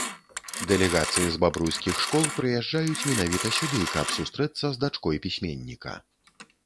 Дэлегацыі з бабруйскіх школ прыязджаюць менавіта сюды, каб сустрэцца з дачкой пісьменніка.